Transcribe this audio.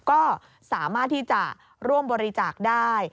ก็สามารถที่จะร่วมบริจาคได้